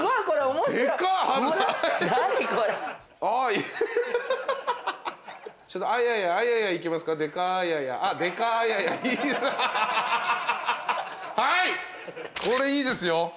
これいいですよ。